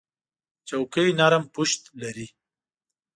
چوکۍ نرم پُشت لري.